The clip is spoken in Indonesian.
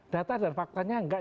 data dan faktanya enggak